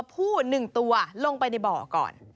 พูดหนึ่งตัวลงไปในบ่อก่อน